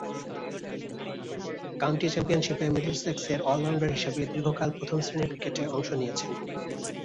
County চ্যাম্পিয়নশীপে মিডলসেক্সের all rounder হিসেবে দীর্ঘকাল প্রথম-শ্রেণীর ক্রিকেটে অংশ নিয়েছেন।